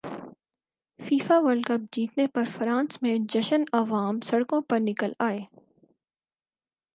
FIFA World cup جیتنے پر France میں جشنعوام سڑکوں پر نکل ائے